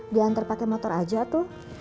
diantar pakai motor aja tuh